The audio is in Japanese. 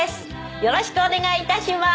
よろしくお願い致しまーす。